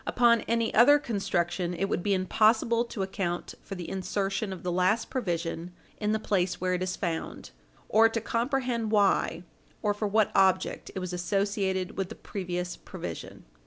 Upon any other construction, it would be impossible to account for the insertion of the last provision in the place where it is found, or to comprehend why or for what object it was associated with the previous provision.